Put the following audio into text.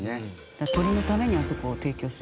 鳥のためにあそこを提供するっていう。